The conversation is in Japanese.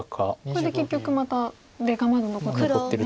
これで結局また出がまだ残ってるんですね。